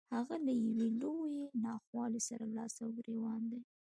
هغه له يوې لويې ناخوالې سره لاس او ګرېوان دی.